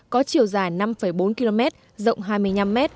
có chiều dài năm bốn km rộng hai mươi năm m